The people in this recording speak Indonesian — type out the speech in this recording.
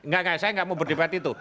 enggak enggak saya gak mau berdebat itu